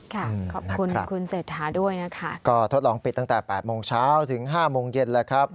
ขอบคุณคุณเศรษฐาด้วยนะคะก็ทดลองปิดตั้งแต่๘โมงเช้าถึงห้าโมงเย็นแล้วครับ